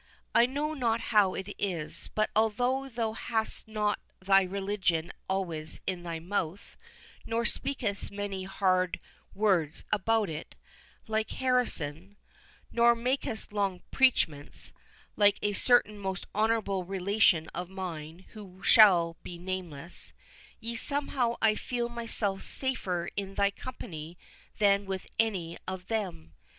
I know not how it is, but although thou hast not thy religion always in thy mouth, nor speakest many hard words about it, like Harrison—nor makest long preachments, like a certain most honourable relation of mine who shall be nameless, yet somehow I feel myself safer in thy company than with any of them.